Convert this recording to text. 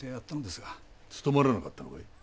つとまらなかったのかい。